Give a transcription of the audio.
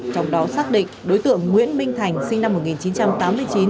trong đó xác định đối tượng nguyễn minh thành sinh năm một nghìn chín trăm tám mươi chín